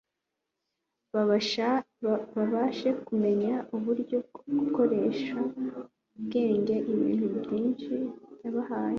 babashe kumenya uburyo bwo gukoreshanya ubwenge ibintu byiza yabahaye